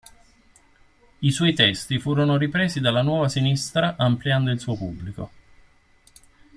I suoi testi furono ripresi dalla nuova sinistra ampliando il suo pubblico.